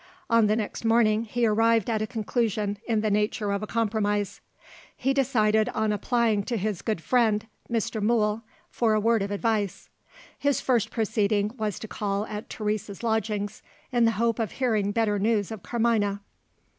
On the next morning, he arrived at a conclusion in the nature of a compromise. He decided on applying to his good friend, Mr. Mool, for a word of advice. His first proceeding was to call at Teresa's lodgings, in the hope of hearing better news of Carmina.